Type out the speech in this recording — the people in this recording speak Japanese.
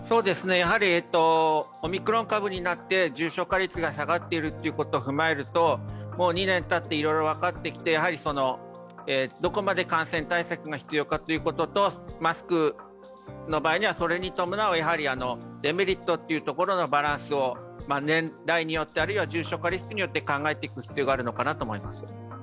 オミクロン株になって重症化率が下がっていることを踏まえると、もう２年たっていろいろ分かってきて、どこまで感染対策が必要かということとマスクの場合にはそれに伴うデメリットというところのバランスを年代によって、あるいは重症化リスクによって考えていく必要があるのかなと思います。